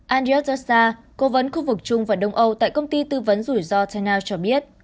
andriy dostoyev cố vấn khu vực trung và đông âu tại công ty tư vấn rủi ro ternow cho biết